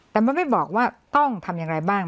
แต่มันไม่บอกว่าต้องทำอย่างไรบ้าง